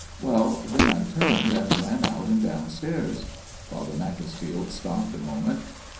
" Well, then I turned and ran out and downstairs." Father Macclesfield stopped a moment.